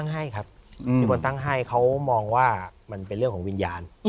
ให้ครับที่คนตั้งให้เขามองว่ามันเป็นเรื่องของวิญญาณ